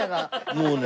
もうね